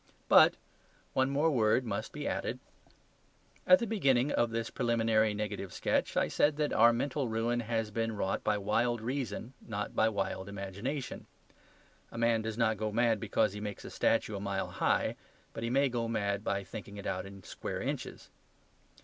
But one more word must be added. At the beginning of this preliminary negative sketch I said that our mental ruin has been wrought by wild reason, not by wild imagination. A man does not go mad because he makes a statue a mile high, but he may go mad by thinking it out in square inches.